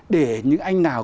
để những anh nào